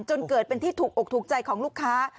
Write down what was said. จนเกิดเป็นที่ถูกอกถูกใจของลูกค้า